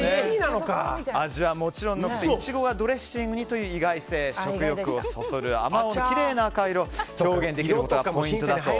味はもちろんイチゴがドレッシングにという意外性食欲をそそるあまおうのきれいな赤色を表現できることがポイントだと。